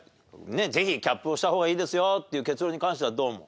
ぜひキャップをした方がいいですよっていう結論に関してはどう思う？